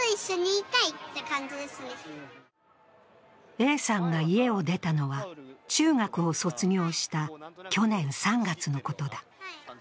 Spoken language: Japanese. Ａさんが家を出たのは中学を卒業した去年３月のことだ。